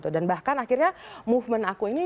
dan bahkan akhirnya movement aku ini